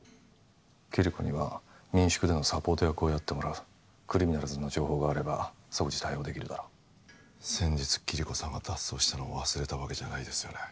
キリコには民宿でのサポート役をやってもらうクリミナルズの情報があれば即時対応できるだろ先日キリコさんが脱走したのを忘れたわけじゃないですよね